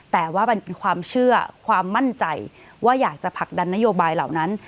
แต่ว่ามันเป็นความเชื่อความมั่นใจว่าอยากจะผลักดันนโยบายเหล่านั้น